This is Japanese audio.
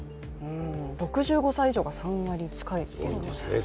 ６５歳以上が３割近いと。